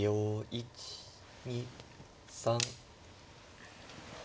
１２３。